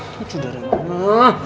ya sudah udah lama